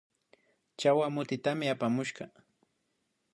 Chawa mutitami apamushka